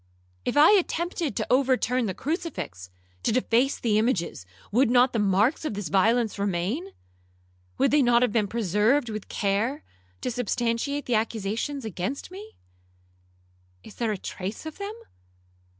If I attempted to overturn the crucifix, to deface the images, would not the marks of this violence remain? Would they not have been preserved with care, to substantiate the accusation against me? Is there a trace of them?